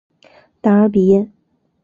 达尔比耶。